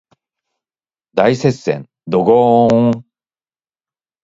大接戦ドゴーーン